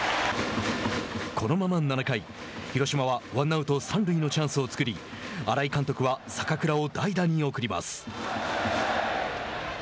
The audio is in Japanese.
このまま７回広島はワンアウト、三塁のチャンスを作り新井監督は坂倉を代打に送ります。